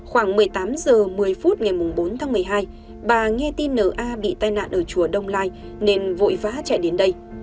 khoảng một mươi tám h một mươi phút ngày bốn tháng một mươi hai bà nghe tin na bị tai nạn ở chùa đông lai nên vội vã chạy đến đây